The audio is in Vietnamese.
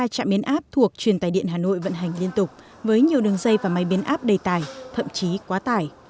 một mươi ba trạm biến áp thuộc truyền tải điện hà nội vận hành liên tục với nhiều đường dây và máy biến áp đầy tải thậm chí quá tải